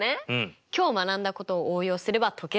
今日学んだことを応用すれば解けるはずですよ。